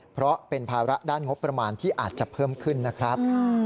เพราะเป็นภาระด้านงบประมาณที่อาจจะเพิ่มขึ้นนะครับ